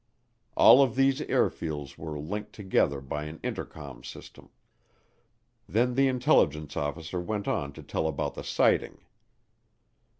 All of these airfields were linked together by an intercom system. Then the intelligence officer went on to tell about the sighting.